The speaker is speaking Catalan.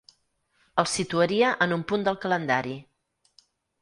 El situaria en un punt del calendari.